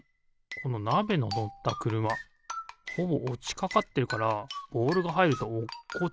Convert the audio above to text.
このなべののったくるまほぼおちかかってるからボールがはいるとおっこちそう。